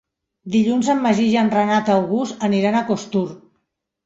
Dilluns en Magí i en Renat August aniran a Costur.